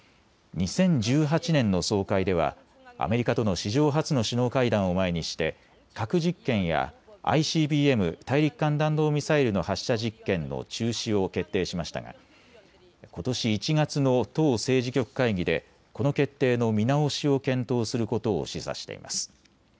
２０１８年の総会ではアメリカとの史上初の首脳会談を前にして核実験やＩＣＢＭ・大陸間弾道ミサイルの発射実験の中止を決定しましたがことし１月の党政治局会議でこの決定の見直しを検討することを示唆しています。